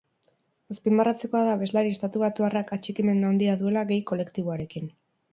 Azpimarratzekoa da abeslari estatubatuarrak atxikimendu handia duela gay kolektiboarekin.